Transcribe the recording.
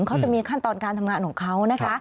เขาจะมีขั้นตอนการทำงานของเขานะคะ